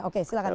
oke silakan pak